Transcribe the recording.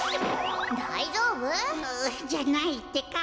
だいじょうぶ？じゃないってか。